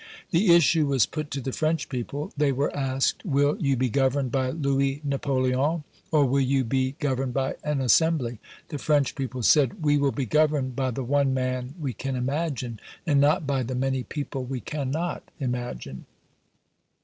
The issue was put to the French people; they were asked, "Will you be governed by Louis Napoleon, or will you be governed by an assembly?" The French people said, "We will be governed by the one man we can imagine, and not by the many people we cannot imagine".